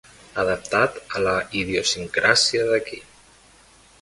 Adaptat a la idiosincràsia d'aquí.